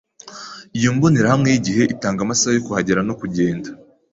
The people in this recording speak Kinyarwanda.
Iyo mbonerahamwe yigihe itanga amasaha yo kuhagera no kugenda.